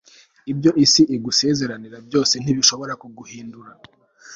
ibyo isi igusezeranira byose ntibishobora kuguhindura